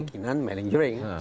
termasuk kemungkinan melenduring